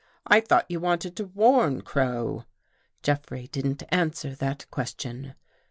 " I thought you wanted to warn Crow?" Jeffrey didn't answer that question.